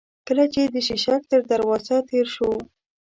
کله چې د شېشک تر دروازه تېر شوو.